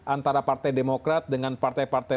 antara partai demokrat dengan partai partai